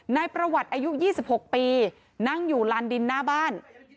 นายประวัติอายุ๒๖ปีนั่งอยู่ลานดินหน้าบ้าน